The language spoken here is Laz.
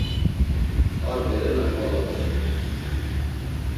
Ar berena xvala dosǩudu.